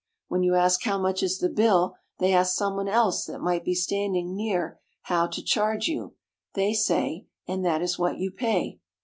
When you ask how much is the bill they ask someone else that might be standing near how to charge you — they say, and that is what you pay.